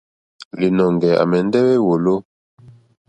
Līnɔ̄ŋgɛ̄ à mɛ̀ndɛ́ wé wòló.